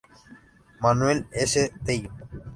Manuel C. Tello.